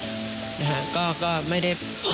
เวลามีปัญหาและเวลาที่ลูกค่อนข้างก็ไม่ได้ไปไหน